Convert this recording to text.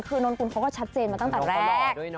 คือนนกุลเขาก็ชัดเจนมาตั้งแต่แรก